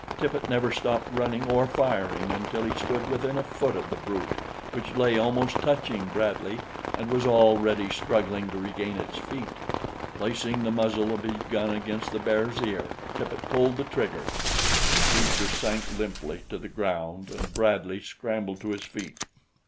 Tippet never stopped running or firing until he stood within a foot of the brute, which lay almost touching Bradley and was already struggling to regain its feet. Placing the muzzle of his gun against the bear's ear, Tippet pulled the trigger. The creature sank limply to the ground and Bradley scrambled to his feet.